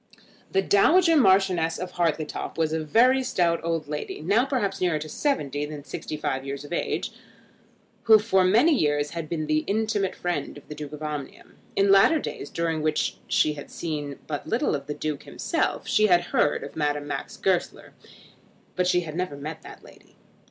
The Dowager Marchioness of Hartletop was a very stout old lady, now perhaps nearer to seventy than sixty five years of age, who for many years had been the intimate friend of the Duke of Omnium. In latter days, during which she had seen but little of the Duke himself, she had heard of Madame Max Goesler, but she had never met that lady.